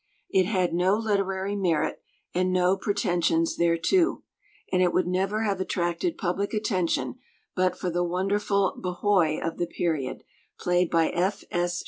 It had no literary merit, and no pretensions thereto; and it would never have attracted public attention but for the wonderful "B'hoy" of the period, played by F. S.